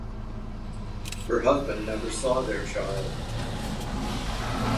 Her husband never saw their child.